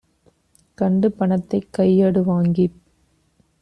கண்டு பணத்தைக் கையடு வாங்கிக்